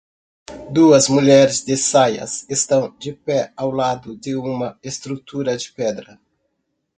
Duas mulheres de saias estão de pé ao lado de uma estrutura de pedra.